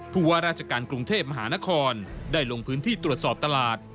ผู้ว่าราชการกรุงเทพมหานครได้ลงพื้นที่ตรวจสอบตลาด